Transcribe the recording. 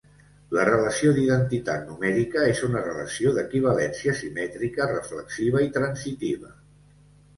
La relació d'identitat numèrica és una relació d'equivalència, simètrica, reflexiva i transitiva.